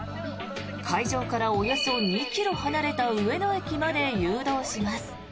会場からおよそ２ｋｍ離れた上野駅まで誘導します。